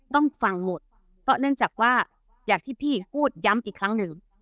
ต้องฟังหมดเพราะเนื่องจากว่าอย่างที่พี่พูดย้ำอีกครั้งหนึ่ง